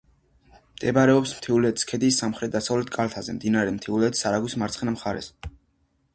მდებარეობს მთიულეთის ქედის სამხრეთ-დასავლეთ კალთაზე, მდინარე მთიულეთის არაგვის მარცხენა მხარეს.